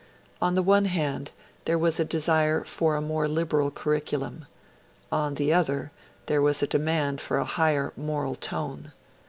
On the one hand, there was a desire for a more liberal curriculum; on the other, there was a demand for a higher moral tone.